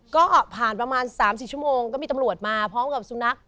ก็ผ่านประมาณ๓๔ชั่วโมงก็มีตำรวจมาพร้อมกับสุนัข